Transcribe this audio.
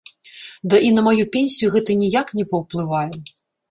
Ды і на маю пенсію гэта ніяк не паўплывае.